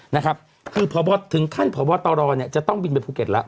นะครับคือพบถึงขั้นพบตรเนี่ยจะต้องบินไปภูเก็ตแล้ว